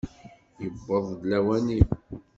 Yewweḍ-d lawan-im!